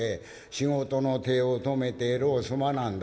仕事の手を止めてえろうすまなんだ」。